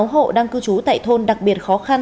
bốn mươi sáu hộ đang cư trú tại thôn đặc biệt khó khăn